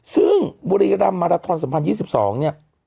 ซึ่งบุรีรทำมาราทอนสัมภัณฑ์๒๒